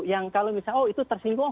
yang kalau misalnya oh itu tersinggung